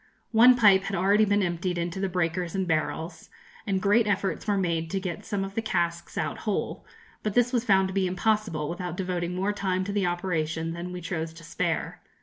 One pipe had already been emptied into the breakers and barrels, and great efforts were made to get some of the casks out whole; but this was found to be impossible, without devoting more time to the operation than we chose to spare.